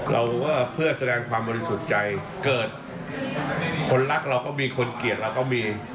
เราว่าเพื่อแสดงความบริสุทธิ์ใจเกิดคนรักเราก็มีคนเกลียดเราก็มี